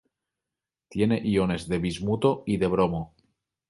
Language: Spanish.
Tiene iones de bismuto y de bromo.